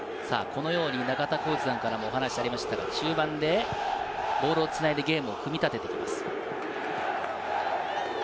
中田さんからも、お話がありましたが、中盤でボールを繋いでゲームを組み立ててきます。